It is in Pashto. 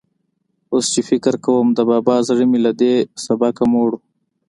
اوس چې فکر کوم، د بابا زړه مې له دې سبقه موړ و.